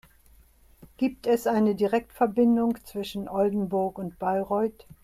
Gibt es eine Direktverbindung zwischen Oldenburg und Bayreuth?